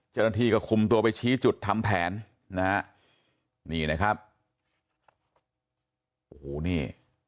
เจ้าหน้าที่ก็คุมตัวไปชี้จุดทำแผนนะฮะนี่นะครับโอ้โหนี่